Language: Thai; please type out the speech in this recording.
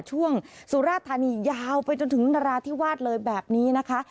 สุราธานียาวไปจนถึงนราธิวาสเลยแบบนี้นะคะ